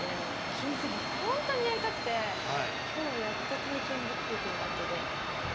金継ぎ、本当にやりたくてきょうやっと体験できるということで。